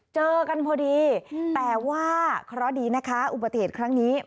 เจอกันพอดีแต่ว่าเคราะห์ดีนะคะอุบัติเหตุครั้งนี้